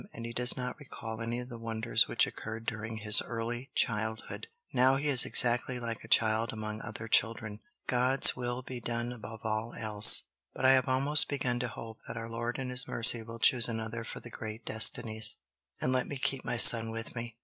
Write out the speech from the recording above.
And he does not recall any of the wonders which occurred during his early childhood. Now he is exactly like a child among other children. God's will be done above all else! But I have almost begun to hope that our Lord in His mercy will choose another for the great destinies, and let me keep my son with me."